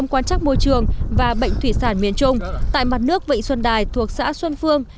quan trắc môi trường và bệnh thủy sản miền trung tại mặt nước vịnh xuân đài thuộc xã xuân phương